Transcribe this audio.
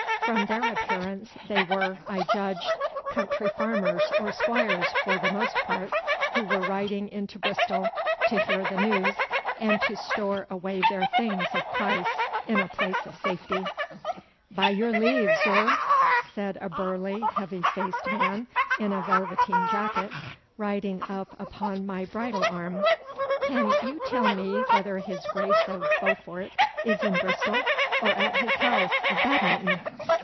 From their appearance they were, I judged, country farmers or squires for the most part, who were riding into Bristol to hear the news, and to store away their things of price in a place of safety. 'By your leave, zur!' said a burly, heavy faced man in a velveteen jacket, riding up upon my bridle arm. 'Can you tell me whether his Grace of Beaufort is in Bristol or at his house o' Badminton?